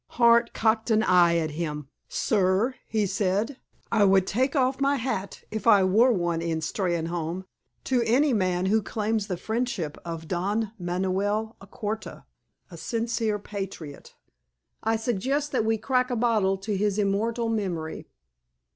Hart cocked an eye at him. "Sir," he said, "I would take off my hat, if I wore one in Steynholme, to any man who claims the friendship of Don Manoel Alcorta, a sincere patriot. I suggest that we crack a bottle to his immortal memory."